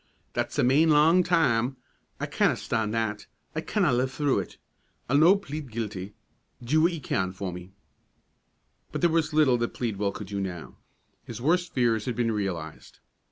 That's a main lang time; I canna stan' that; I canna live through it. I'll no' plead guilty. Do what ye can for me." But there was little that Pleadwell could do now. His worst fears had been realized.